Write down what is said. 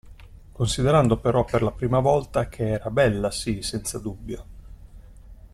Considerando però, per la prima volta, che era bella, sì, senza dubbio.